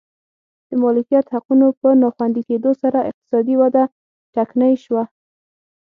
د مالکیت حقونو په ناخوندي کېدو سره اقتصادي وده ټکنۍ شوه.